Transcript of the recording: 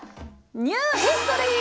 ニューヒストリー！